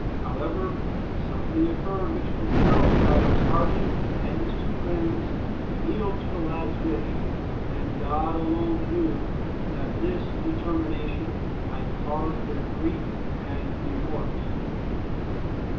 However, something occurred which compelled Cyrus Harding and his two friends to yield to the lad's wish, and God alone knew that this determination might cause them grief and remorse.